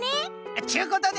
っちゅうことで。